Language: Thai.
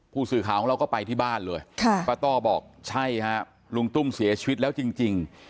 ผู้สื่อข่าวของเราก็ไปที่บ้านเลยป้าต้อบอกใช่ฮะลุงตุ้มเสียชีวิตแล้วจริง